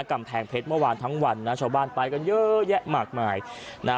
กำแพงเพชรเมื่อวานทั้งวันนะชาวบ้านไปกันเยอะแยะมากมายนะฮะ